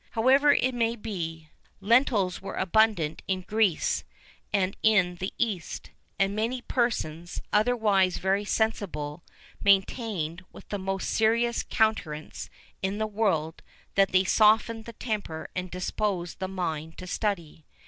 However it may be, lentils were abundant in Greece and in the East; and many persons, otherwise very sensible, maintained, with the most serious countenance in the world, that they softened the temper and disposed the mind to study.